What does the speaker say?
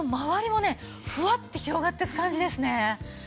ふわって広がっていく感じですね。